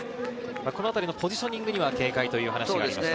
このあたりのポジショニングには警戒という話がありました。